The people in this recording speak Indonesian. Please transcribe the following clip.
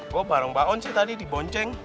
gue bareng pak on sih tadi di bonceng